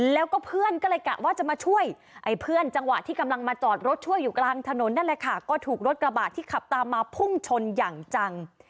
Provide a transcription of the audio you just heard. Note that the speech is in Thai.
แล้วก็เพื่อนก็เลยกะว่าจะมาช่วยไอ้เพื่อนจังหวะที่กำลังมาจอดรถช่วยอยู่กลางถนนนั่นแหละค่ะก็ถูกรถกระบาดที่ขับตามมาพุ่งชนอย่างจัง